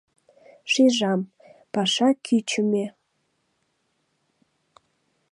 Шижам — паша кӱчымӧ.